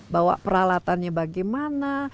bawa peralatannya bagaimana